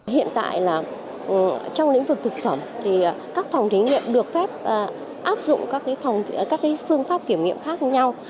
hiện tại là trong lĩnh vực thực phẩm thì các phòng thí nghiệm được phép áp dụng các phương pháp kiểm nghiệm khác nhau